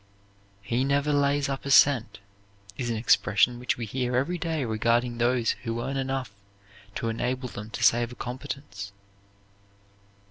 "He never lays up a cent" is an expression which we hear every day regarding those who earn enough to enable them to save a competence.